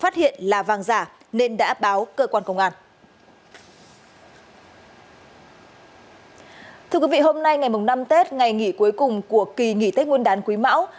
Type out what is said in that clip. thưa quý vị hôm nay ngày năm tết ngày nghỉ cuối cùng của kỳ nghỉ tết nguyên đán quý mão